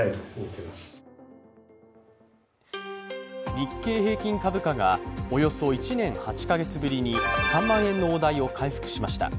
日経平均株価がおよそ１年８か月ぶりに３万円の大台を回復しました。